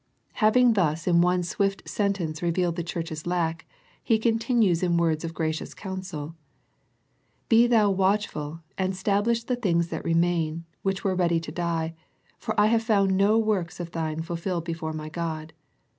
Having thus in one swift sentence revealed the church's lack. He continues in words of gracious counsel. " Be thou watchful, and stablish the things that remain, which were ready to die: for I have found no works of thine fulfilled before My God.